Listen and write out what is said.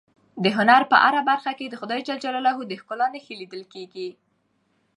د هنر په هره برخه کې د خدای ج د ښکلا نښې لیدل کېږي.